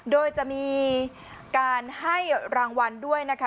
โดยจะมีการให้รางวัลด้วยนะคะ